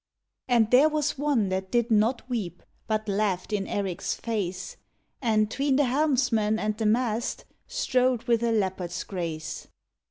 And there was one that did not weep, But laughed in Erik s face, And tween the helmsman and the mast Strode with a leopard s grace.